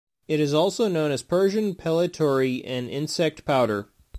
It is also known as Persian pellitory and insect powder.